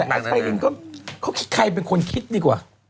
แต่แปลกใสฟรินก็คิดคิดใครเป็นคนคิดดีกว่ากี้